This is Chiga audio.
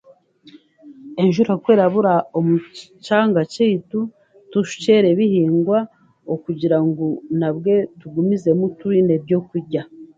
Enjura ku erabura mu kyanga kyaitu, tushukyera ebihingwa, kugira ngu nabwe tugumizemu twine ebyokurya.